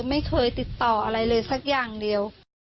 ไม่เคยติดต่ออะไรเลยสักอย่างเดียว